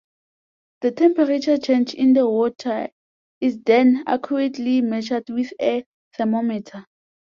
The temperature change in the water is then accurately measured with a thermometer.